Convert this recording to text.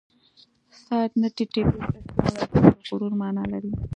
سر نه ټیټېدل اصطلاح ده چې د غرور مانا لري